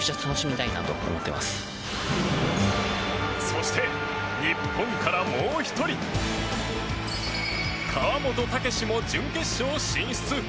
そして、日本からもう１人川本武史も準決勝進出！